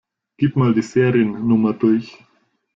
Gib mal die Seriennummer durch.